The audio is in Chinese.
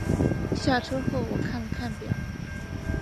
下车后我看了看表